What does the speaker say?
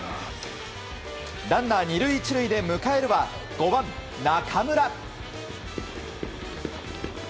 ランナー２塁１塁で迎えるは５番、中村。